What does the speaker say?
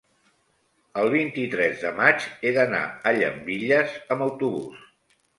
el vint-i-tres de maig he d'anar a Llambilles amb autobús.